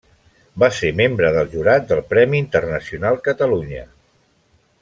Va ser membre del jurat del Premi Internacional Catalunya.